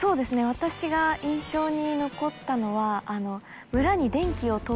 私が印象に残ったのは。